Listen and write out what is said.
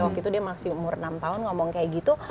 waktu itu dia masih umur enam tahun ngomong kayak gitu